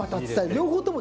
両方とも。